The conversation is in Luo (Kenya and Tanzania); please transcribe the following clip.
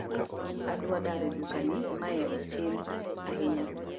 Adwa dar e duka ni , Mae otii ahinya